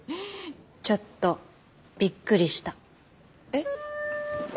ちょっとびっくりした。え？